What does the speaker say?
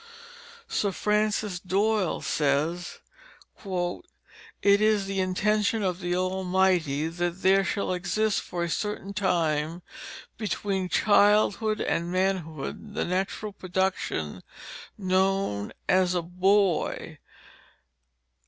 Sir Francis Doyle says, "It is the intention of the Almighty that there should exist for a certain time between childhood and manhood, the natural production known as a boy."